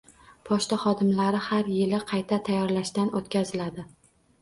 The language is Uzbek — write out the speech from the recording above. Pochta xodimlari har yili qayta tayyorlashdan o‘tkaziladi